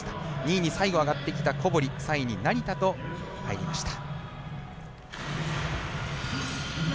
２位に最後、上がってきた小堀、３位に成田と入りました。